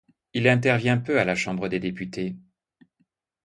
Il intervient peu à la Chambre des députés.